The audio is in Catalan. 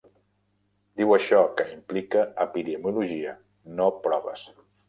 Diu d'això que implica "epidemiologia, no proves".